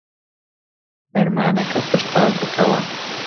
فەرمانەکە پشتڕاست بکەوە.